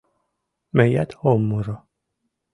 — Мыят ом муро.